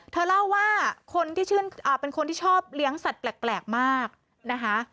เธอเล่าว่าคนที่ชื่นเป็นคนที่ชอบเลี้ยงสัตว์แปลกมากนะคะ